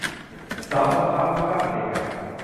สามโมงเช้า คือเก้านาฬิกา